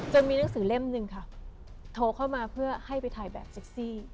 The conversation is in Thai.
มีหนังสือเล่มหนึ่งค่ะโทรเข้ามาเพื่อให้ไปถ่ายแบบเซ็กซี่